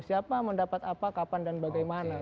siapa mendapat apa kapan dan bagaimana